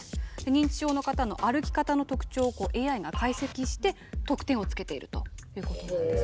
認知症の方の歩き方の特徴をＡＩが解析して得点をつけているということなんです。